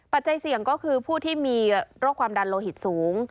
ใจเสี่ยงก็คือผู้ที่มีโรคความดันโลหิตสูง